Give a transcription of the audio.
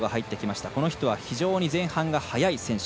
この人は前半が速い選手。